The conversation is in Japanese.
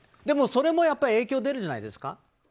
でも、それも影響が出るじゃないですか。